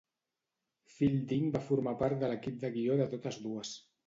Fielding va formar part de l'equip de guió de totes dues.